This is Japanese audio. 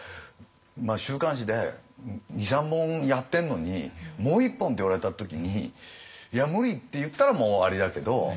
週刊誌で２３本やってんのにもう１本って言われた時に「いや無理！」って言ったらもう終わりだけど。